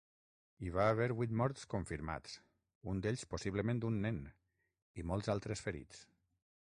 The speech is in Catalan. Hi va haver vuit morts confirmats, un d'ells possiblement un nen, i molts altres ferits.